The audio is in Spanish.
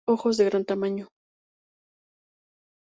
Ojos de gran tamaño.